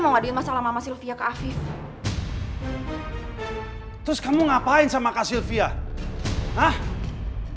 enggak enggak lihat enggak lihat